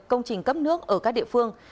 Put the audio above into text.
công trình cấp nước ở các địa phương